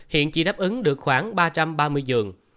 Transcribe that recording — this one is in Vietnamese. hiện chỉ đáp ứng được khoảng ba trăm ba mươi giường